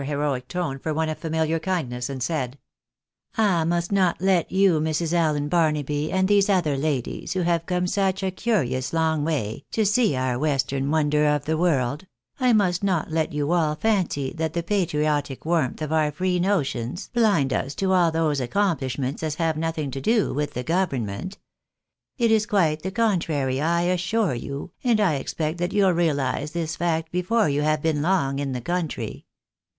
heroic tone for one of familiar kindness, and said, " I must not let you, Mrs. Allen Barnaby, and these other ladies, who have come such a curious long way to see our western wonder of the world — I must not let you all fancy that the patriotic warmth of our free notions blinds us to all those accomplishments as have nothing to do with the government. It is quite the contrary, I assure you, and I expect that you'll realise this fact before you have been long in the country.